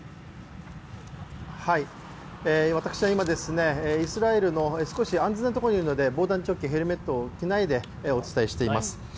私は今、イスラエルの少し安全なところにいるので防弾チョッキ、ヘルメットを着ないでお伝えしています。